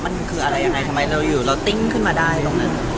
มันคืออะไรยังไงทำไมเราอยู่เราติ้งขึ้นมาได้ตรงนั้น